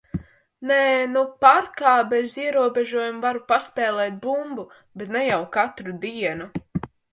Nē, nu parkā bez ierobežojuma varu paspēlēt bumbu, bet ne jau katru dienu.